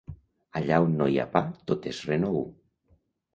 Allà on no hi ha pa tot és renou.